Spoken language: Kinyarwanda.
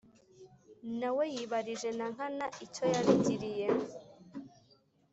nawe yibarije nankana icyo yabigiriye